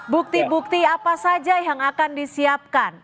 bukti bukti apa saja yang akan disiapkan